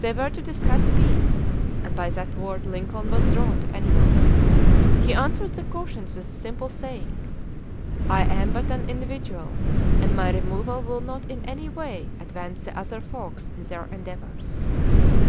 They were to discuss peace and by that word, Lincoln was drawn to any one. He answered the cautions with the simple saying: "I am but an individual, and my removal will not in any way advance the other folks in their endeavors."